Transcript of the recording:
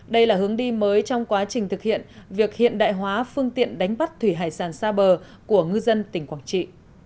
đây là hướng đi mới trong quá trình thực hiện việc hiện đại hóa phương tiện đánh bắt thủy hải sản xa bờ của ngư dân tỉnh quảng trị